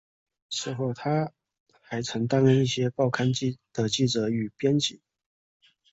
此后他还曾担任过一些报刊的记者与编辑。